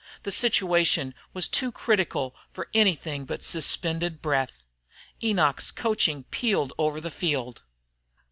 The situation was too critical for anything but suspended breath. Enoch's coaching pealed over the field.